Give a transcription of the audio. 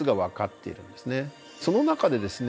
その中でですね